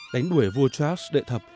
đánh đuổi vua charles đệ thập